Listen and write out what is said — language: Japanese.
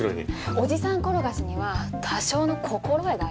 おじさん転がしには多少の心得があります。